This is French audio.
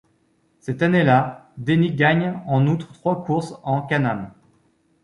Cette année-là, Denny gagne en outre trois courses en CanAm.